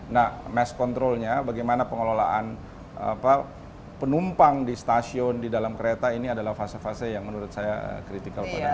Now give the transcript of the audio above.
nah mass controlnya bagaimana pengelolaan penumpang di stasiun di dalam kereta ini adalah fase fase yang menurut saya kritikal pada saat